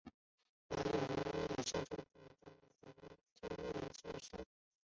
马英九任内也删除年终慰问金预算。